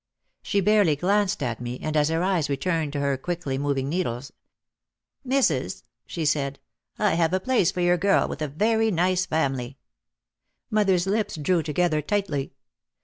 She barely glanced at me and as her eyes returned to her quickly moving needles, "Missus," she said, "I have a place for your girl with a very nice family." Mother's lips drew together tightly.